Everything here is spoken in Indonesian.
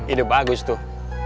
ide bagus tuh